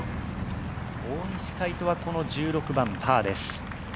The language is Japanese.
大西魁斗はこの１６番パーです。